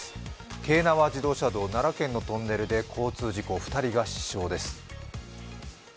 京奈和自動車道奈良県のトンネルで交通事故、２人が死傷です。